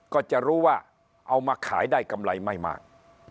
ก็จะรู้ว่าเอามาขายได้กำไรไม่มาก